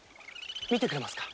見てくれますか？